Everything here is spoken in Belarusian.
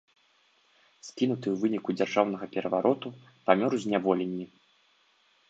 Скінуты ў выніку дзяржаўнага перавароту, памёр у зняволенні.